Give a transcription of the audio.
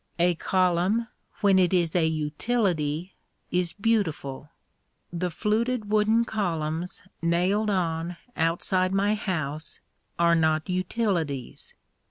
A column, when it is a utility, is beautiful. The fluted wooden columns nailed on outside my house are not utilities.